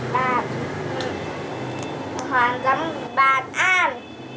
bạn hoàng giống bạn an